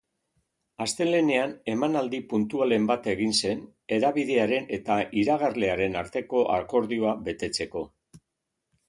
Astelehenean emanaldi puntualen bat egin zen, hedabidearen eta iragarlearen arteko akordioa betetzeko.